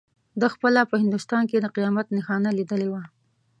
ده خپله په هندوستان کې د قیامت نښانه لیدلې وه.